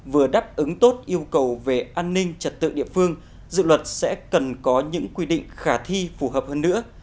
vừa đáp ứng tốt yêu cầu về an ninh trật tự địa phương dự luật sẽ cần có những quy định khả thi phù hợp hơn nữa